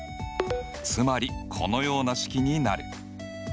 つまりこのような式になる。